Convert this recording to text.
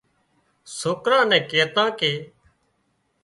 سوڪران نين ڪيتان ڪي